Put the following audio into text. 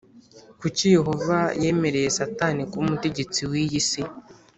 Kuki Yehova yemereye Satani kuba umutegetsi w’iyi si?